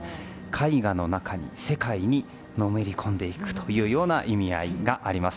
絵画の中の世界にのめり込んでいくというような意味合いがあります。